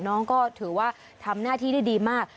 น้องก็ถือว่าทำหน้าที่ได้ดีมาก